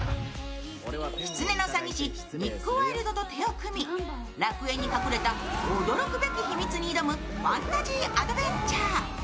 キツネの詐欺師、ニック・ワイルドと手を組み、楽園に隠れた驚くべき秘密に挑むファンタジーアドベンチャー。